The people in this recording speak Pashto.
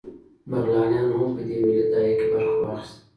بغلانیانو هم په دې ملي داعیه کې برخه واخیسته